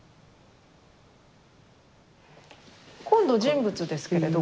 今度人物ですけれど。